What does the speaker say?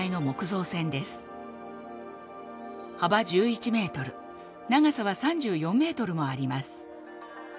幅１１ｍ長さは３４ｍもあります。